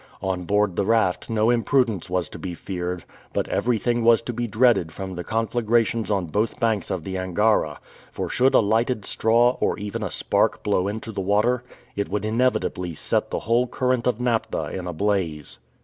On board the raft no imprudence was to be feared; but everything was to be dreaded from the conflagrations on both banks of the Angara, for should a lighted straw or even a spark blow into the water, it would inevitably set the whole current of naphtha in a blaze.